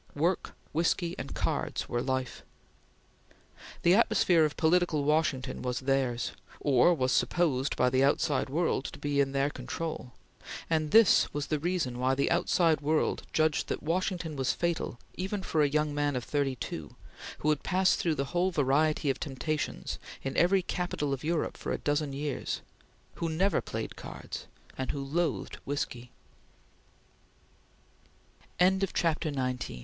Work, whiskey, and cards were life. The atmosphere of political Washington was theirs or was supposed by the outside world to be in their control and this was the reason why the outside world judged that Washington was fatal even for a young man of thirty two, who had passed through the whole variety of temptations, in every capital of Europe, for a dozen years; who never played cards, and who loathed whiskey. CHAPTER XX FAILURE (187